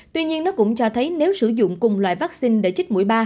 tuy nhiên nó cũng cho thấy nếu sử dụng cùng loại vaccine để chích mũi ba